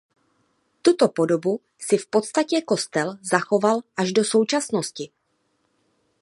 Tuto podobu si v podstatě kostel zachoval až do současnosti.